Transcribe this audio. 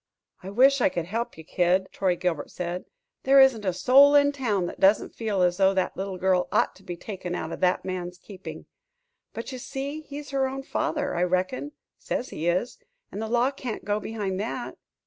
"I wish I could help you, Kid," Troy Gilbert said. "There isn't a soul in town that doesn't feel as though that little girl ought to be taken out of that man's keeping. But you see he's her own father, I reckon says he is and the law can't go behind that."